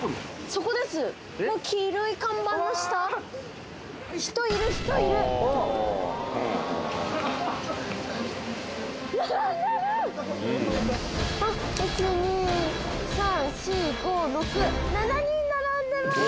そこです黄色い看板の下人いる人いる７人並んでます